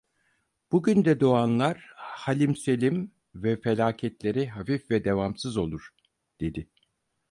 Bu günde doğanlar halim selim ve felaketleri hafif ve devamsız olur, dedi.